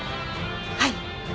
はい。